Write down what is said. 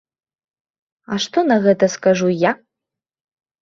А што на гэта скажу я?